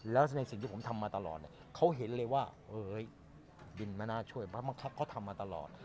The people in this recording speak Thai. แล้วในสิ่งที่ผมทำมาตลอดเนี่ยเขาเห็นเลยว่าบินไม่น่าช่วยเพราะบังคับเขาทำมาตลอด